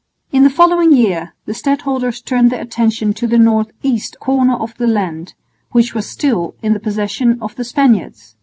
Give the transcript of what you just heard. In the following year the stadholders turned their attention to the north east corner of the land, which was still in the possession of the Spaniards.